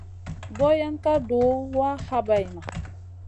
Boyen ka duh wa habayna.